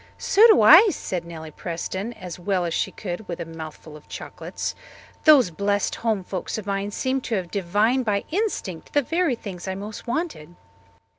"So do I," said Nellie Preston as well as she could with a mouthful of chocolates. "Those blessed home folks of mine seem to have divined by instinct the very things I most wanted."